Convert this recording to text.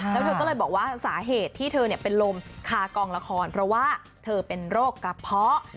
แล้วเธอก็เลยบอกว่าสาเหตุที่เธอเป็นลมคากองละครเพราะว่าเธอเป็นโรคกระเพาะ